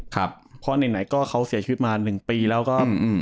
ครับเพราะไหนก็เขาเสียชีวิตมา๑ปีแล้วก็